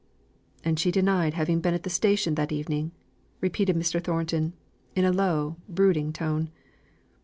"And she denied having been at the station that evening!" repeated Mr. Thornton, in a low, brooding tone.